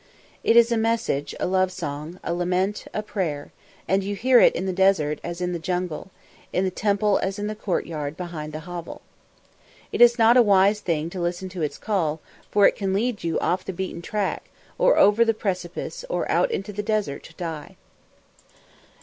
It is a message, a love song, a lament, a prayer, and you hear it in the desert as in the jungle, in the temple as in the courtyard behind the hovel. It is not a wise thing to listen to its call, for it can lead you off the beaten track, or over the precipice or out into the desert to die.